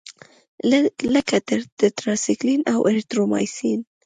لکه ټیټرایسایکلین او اریترومایسین.